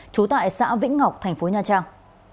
trú tại xã vĩnh ngọc thành phố nha trang